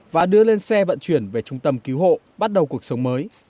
và đưa lên xe vận chuyển về trung tâm cứu hộ bắt đầu cuộc sống mới